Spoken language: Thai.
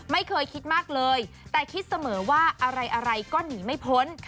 ไม่เคยคิดมากเลยแต่คิดเสมอว่าอะไรก็หนีไม่พ้น